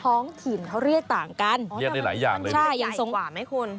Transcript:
ท้องถิ่นเขาเรียกต่างกันเรียกได้หลายอย่างเลย